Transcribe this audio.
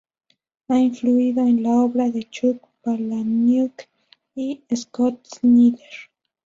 Ha influido en la obra de Chuck Palahniuk, y Scott Snyder.